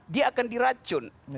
dia akan diracun